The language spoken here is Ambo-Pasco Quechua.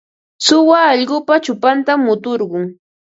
Suwa allqupa chupantam muturqun.